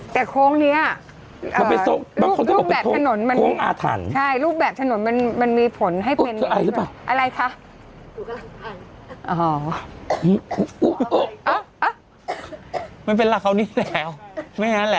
แต่โค้งนี้อะลูกแบบถนนมันมีผลให้เป็นเชิญหน่อยอะไรคะอ๋อมันเป็นระเงินิดหนึ่งแล้ว